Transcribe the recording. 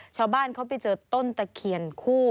ชาวบ้านเขาไปเจอต้นตะเคียนคู่